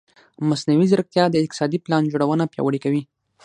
مصنوعي ځیرکتیا د اقتصادي پلان جوړونه پیاوړې کوي.